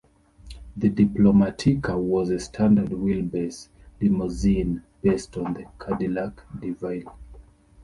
The Diplomatica was a standard-wheelbase limousine based on the Cadillac DeVille.